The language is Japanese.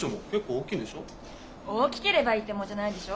大きければいいってもんじゃないでしょ？